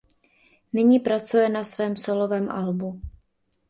Nyní pracuje na svém sólovém albu.